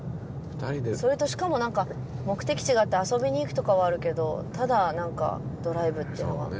それとしかもなんか目的地があって遊びに行くとかはあるけどただなんかドライブっていうのは。